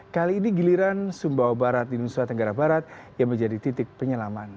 kali ini giliran sumbawa barat di nusa tenggara barat yang menjadi titik penyelaman